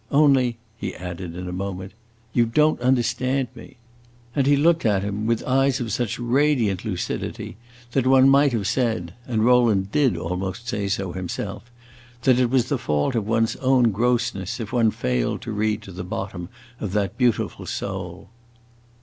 Only," he added in a moment, "you don't understand me!" And he looked at him with eyes of such radiant lucidity that one might have said (and Rowland did almost say so, himself) that it was the fault of one's own grossness if one failed to read to the bottom of that beautiful soul.